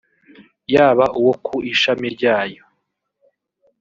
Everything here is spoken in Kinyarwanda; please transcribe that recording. yaba uwo ku ishami ryayo